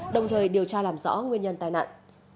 đồng thời điều tra làm rõ nguyên nhân tai nạn